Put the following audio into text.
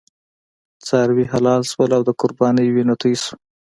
څاروي حلال شول او د قربانۍ وینه توی شوه.